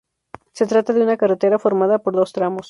Se trata de una carretera formada por dos tramos.